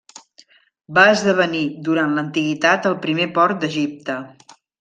Va esdevenir durant l'antiguitat el primer port d'Egipte.